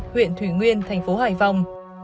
huyện thủy nguyên thành phố hải phòng